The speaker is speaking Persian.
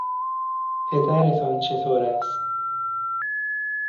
پدرتان چطور است؟